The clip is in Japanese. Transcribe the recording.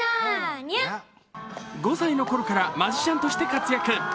５歳のころからマジシャンとして活躍。